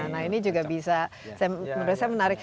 nah ini juga bisa menarik